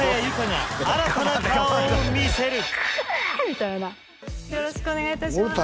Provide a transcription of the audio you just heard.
みたいなよろしくお願いいたします